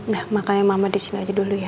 nah makanya mbak ma di sini aja dulu ya